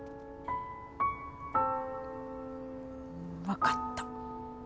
分かった。